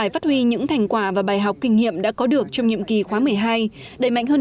phát huy những thành quả và bài học kinh nghiệm đã có được trong nhiệm kỳ khóa một mươi hai đẩy mạnh hơn